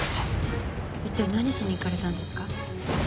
一体何しに行かれたんですか？